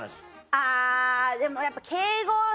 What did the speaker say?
あでもやっぱ敬語その。